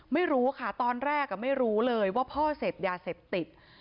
ไม่รู้ค่ะตอนแรกไม่รู้เลยว่าพ่อเสพยาเสพติด